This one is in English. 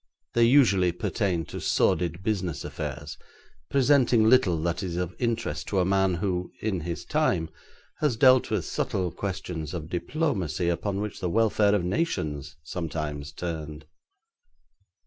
They usually pertain to sordid business affairs, presenting little that is of interest to a man who, in his time, has dealt with subtle questions of diplomacy upon which the welfare of nations sometimes turned.